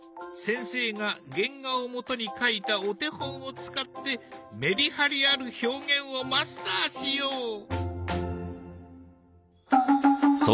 先生が原画をもとに描いたお手本を使ってメリハリある表現をマスターしよう！